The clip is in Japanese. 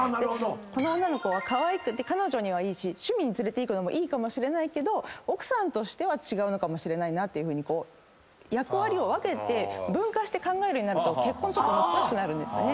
この女の子はかわいくて彼女にはいいし趣味に連れていくのもいいかもしれないけど奥さんとしては違うのかもしれないなっていうふうに役割を分けて分化して考えるようになると結婚難しくなるんですよね。